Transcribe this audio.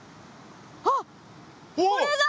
ああこれだ！